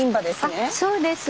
あそうです。